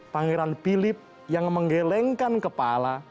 pangeran philip yang menggelengkan kepala